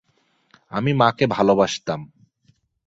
আমি মাকে ভালোবাসতাম।